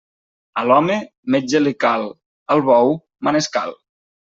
A l'home, metge li cal; al bou, manescal.